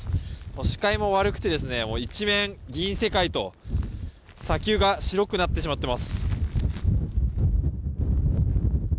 視界も悪くて、一面銀世界と砂丘が白くなってしまっています。